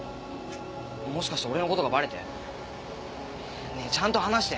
もしかして俺のことがバレて？ねぇちゃんと話して！